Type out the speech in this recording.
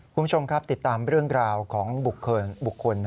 คุณผู้ชมครับติดตามเรื่องราวของบุคคล